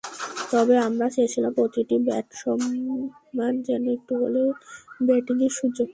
তবে আমরা চেয়েছিলাম প্রতিটি ব্যাটসম্যান যেন একটু হলেও ব্যাটিংয়ের সুযোগ পায়।